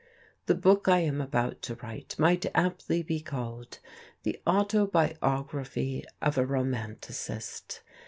The book I am about to write might aptly be called The Autobiography of a Romanticist.